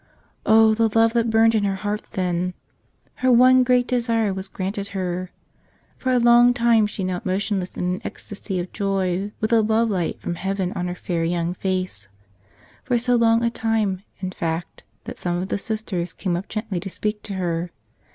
O the love that burned in her heart then! Her one great desire was granted her. For a long time she knelt motionless in an ecstasy of joy with a love light from heaven on her fair young face — for so long a time, in fact, that some of the Sisters came up gently to speak to her.